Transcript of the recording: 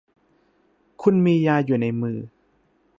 คุณมียาอยู่ในมือ